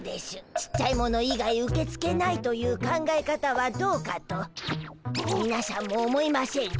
ちっちゃいもの以外受け付けないという考え方はどうかとみなしゃんも思いましぇんか？